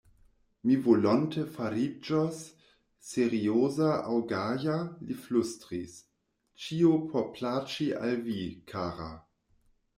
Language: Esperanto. Mi volonte fariĝos serioza aŭ gaja, li flustris ; ĉio por plaĉi al vi, kara.